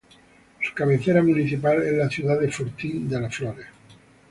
Su cabecera municipal es la ciudad de Fortín de las Flores.